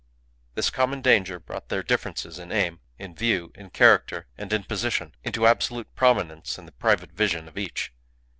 This common danger brought their differences in aim, in view, in character, and in position, into absolute prominence in the private vision of each.